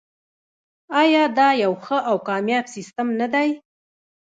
آیا د یو ښه او کامیاب سیستم نه دی؟